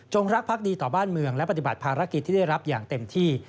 รักพักดีต่อบ้านเมืองและปฏิบัติภารกิจที่ได้รับอย่างเต็มที่